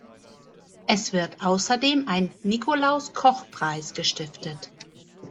Es wird außerdem ein Nikolaus-Koch-Preis gestiftet.